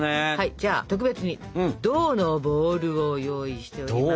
じゃあ特別に銅のボウルを用意しております。